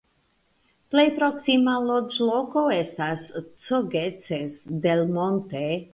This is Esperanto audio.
Plej proksima loĝloko estas Cogeces del Monte.